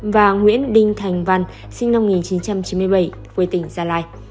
và nguyễn đinh thành văn sinh năm một nghìn chín trăm chín mươi bảy quê tỉnh gia lai